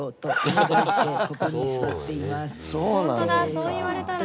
そう言われたらね。